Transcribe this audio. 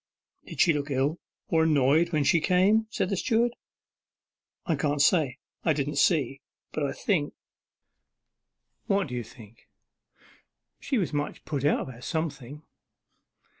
'Did she look ill, or annoyed, when she came?' said the steward. 'I can't say. I didn't see; but I think ' 'What do you think?' 'She was much put out about something.